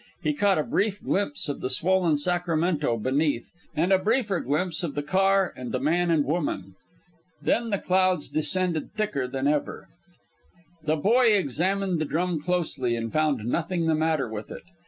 He caught a brief glimpse of the swollen Sacramento beneath, and a briefer glimpse of the car and the man and woman. Then the clouds descended thicker than ever. The boy examined the drum closely, and found nothing the matter with it.